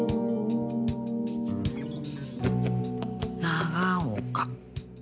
長岡。